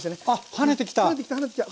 跳ねてきた跳ねてきた。